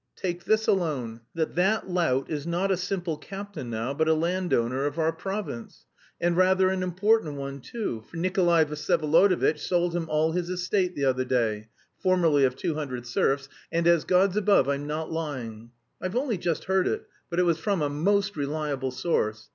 Take this alone, that that lout is not a simple captain now but a landowner of our province, and rather an important one, too, for Nikolay Vsyevolodovitch sold him all his estate the other day, formerly of two hundred serfs; and as God's above, I'm not lying. I've only just heard it, but it was from a most reliable source.